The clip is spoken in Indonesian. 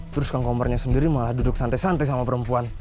terus kang kompernya sendiri malah duduk santai santai sama perempuan